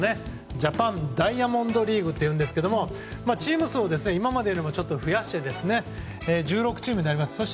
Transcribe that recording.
ジャパンダイヤモンドリーグといいますがチーム数を今までよりも増やして１６チームになります。